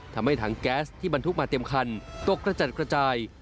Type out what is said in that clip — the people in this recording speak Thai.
ทำให้ถังแก๊สที่บรรทุกมาเต็มคันตกกระจัดกระจาย